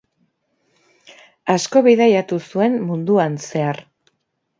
Asko bidaiatu zuen munduan zehar.